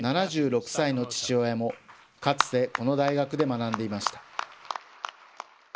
７６歳の父親も、かつて、この大学で学んでいました。